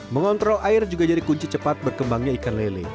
mengontrol air juga jadi kunci cepat berkembangnya ikan lele